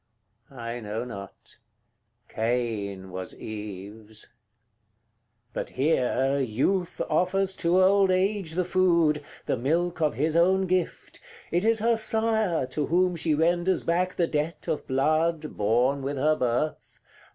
I know not Cain was Eve's. CL. But here youth offers to old age the food, The milk of his own gift: it is her sire To whom she renders back the debt of blood Born with her birth.